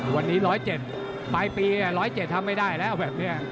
วันนี้๑๐๗ปลายปี๑๐๗ทำไม่ได้แล้วแบบนี้